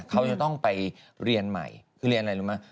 เขาจะต้องไปเรียนใหม่คือเรียนอะไรรู้ไหม